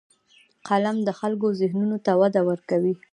قلم د خلکو ذهنونو ته وده ورکوي